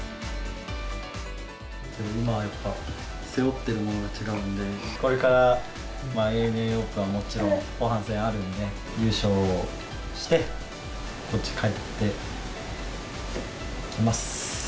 今はやっぱ、背負ってるものが違うので、これからＡＮＡオープンはもちろん、後半戦あるんで、優勝をして、こっち、帰ってきます。